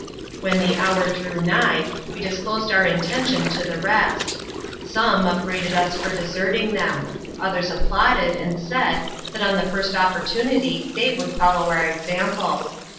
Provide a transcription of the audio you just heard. When the hour drew nigh, we disclosed our intention to the rest. Some upbraided us for deserting them ; others applauded, and said, that on the first opportunity they would follow our example.